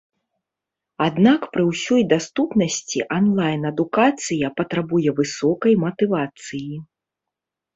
Аднак пры ўсёй даступнасці анлайн-адукацыя патрабуе высокай матывацыі.